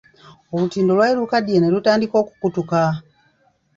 Olutindo lwali lukaddiye ne lutandiika okukutuka.